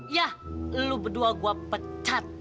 yah lu berdua gua pecat